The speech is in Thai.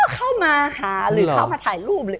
เข้ามาหาหรือเข้ามาถ่ายรูปหรือ